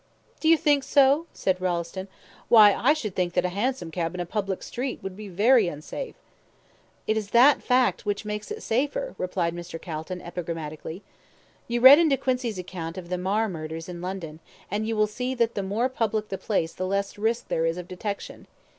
"Do you think so?" said Rolleston. "Why, I should think that a hansom cab in a public street would be very unsafe." "It is that very fact that makes it safer," replied Mr. Calton, epigrammatically. "You read De Quincey's account of the Marr murders in London, and you will see that the more public the place the less risk there is of detection.